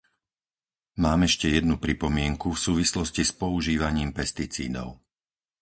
Mám ešte jednu pripomienku v súvislosti s používaním pesticídov.